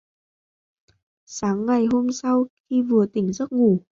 Sáng ngày hôm sau khi vừa tỉnh giấc ngủ